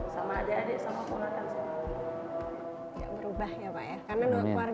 sama adik adik sama kemunatan